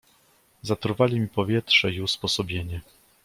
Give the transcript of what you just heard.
"Zatruwali mi powietrze i usposobienie."